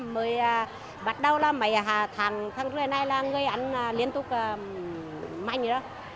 mới bắt đầu là mấy tháng trước này là người ăn liên tục manh rồi đó